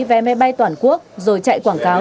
vé máy bay toàn quốc rồi chạy quảng cáo